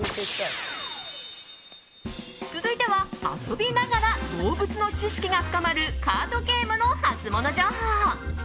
続いては、遊びながら動物の知識が深まるカードゲームのハツモノ情報。